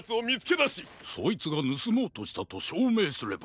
そいつがぬすもうとしたとしょうめいすれば。